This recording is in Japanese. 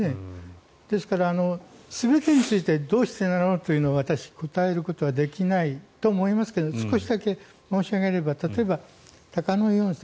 ですから、全てについてどうしてなのというのは私は答えることはできないと思いますが少しだけ申し上げれば例えば鷹の湯温泉。